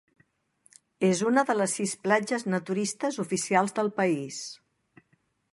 És una de les sis platges naturistes oficials del país.